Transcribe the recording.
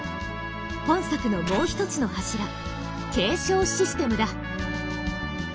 本作のもう一つの柱「継承システム」だ。